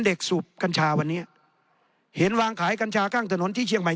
สูบกัญชาวันนี้เห็นวางขายกัญชาข้างถนนที่เชียงใหม่